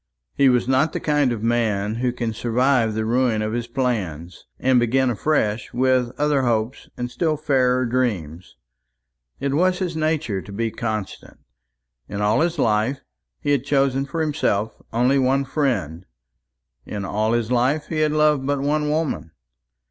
He was not the kind of man who can survive the ruin of his plans, and begin afresh with other hopes and still fairer dreams. It was his nature to be constant. In all his life he had chosen for himself only one friend in all his life he had loved but one woman.